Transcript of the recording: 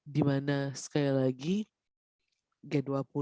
dimana sekali lagi g dua puluh ini juga memiliki keuntungan yang sangat baik